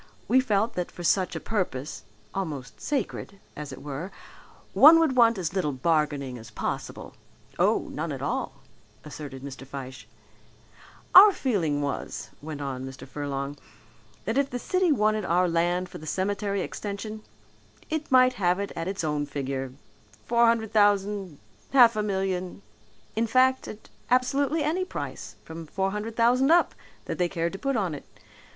We felt that for such a purpose, almost sacred as it were, one would want as little bargaining as possible." "Oh, none at all," assented Mr. Fyshe. "Our feeling was," went on Mr. Furlong, "that if the city wanted our land for the cemetery extension, it might have it at its own figure four hundred thousand, half a million, in fact at absolutely any price, from four hundred thousand up, that they cared to put on it.